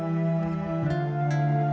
tidak tuan teddy